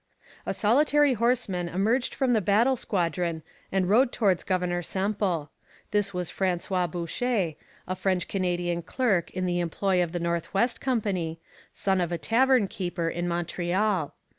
A solitary horseman emerged from the hostile squadron and rode towards Governor Semple. This was François Boucher, a French Canadian clerk in the employ of the North West Company, son of a tavern keeper in Montreal.